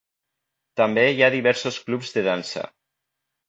També hi ha diversos clubs de dansa.